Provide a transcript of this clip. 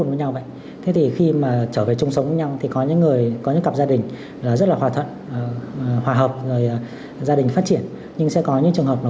nguyên nhân là vì hàm lượng estrogen sản xuất quá mức trong cơ thể của phụ nữ